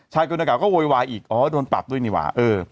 ชายคุณกรรมกรรมก็โวยวายอีกอ๋อโดนปรับด้วยนี่หวะเออ